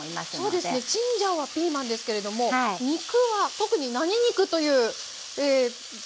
そうですねチンジャオはピーマンですけれども肉は特に何肉という名前はついていないので。